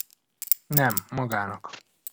Nem! Magának!